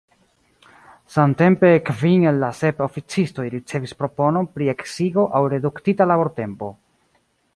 Samtempe kvin el la sep oficistoj ricevis proponon pri eksigo aŭ reduktita labortempo.